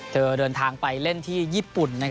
เดินทางไปเล่นที่ญี่ปุ่น